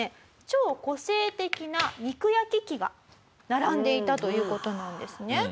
超個性的な肉焼き機が並んでいたという事なんですね。